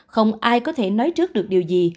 không ai có thể nói trước được điều gì